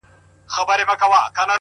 o گوره ځوانـيمـرگ څه ښـه وايــي،